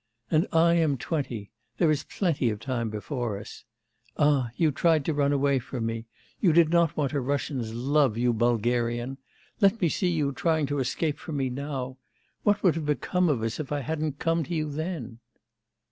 'And I am twenty. There is plenty of time before us. Ah, you tried to run away from me? You did not want a Russian's love, you Bulgarian! Let me see you trying to escape from me now! What would have become of us, if I hadn't come to you then!